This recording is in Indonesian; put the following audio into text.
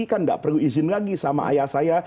kan tidak perlu izin lagi sama ayah saya